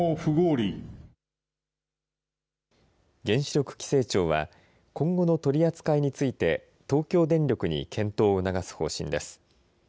原子力規制庁は今後の取り扱いについて東京電力に検討を促す方針です。